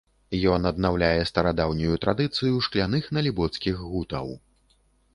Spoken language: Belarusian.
Ён аднаўляе старадаўнюю традыцыю шкляных налібоцкіх гутаў.